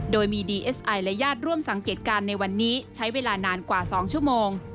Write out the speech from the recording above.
โดยมีดีเอสไอและญาติร่วมสังเกตการณ์ในวันนี้ใช้เวลานานกว่า๒ชั่วโมง